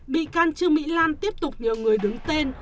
bị can trương mỹ lan tiếp tục nhờ người đứng tên